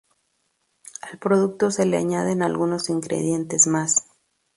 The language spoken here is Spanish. Al producto se le añaden algunos ingredientes más.